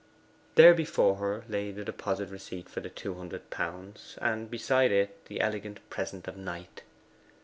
There before her lay the deposit receipt for the two hundred pounds, and beside it the elegant present of Knight.